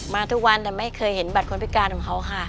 มาทุกวันแต่ไม่เคยเห็นบัตรคนพิการของเขาค่ะ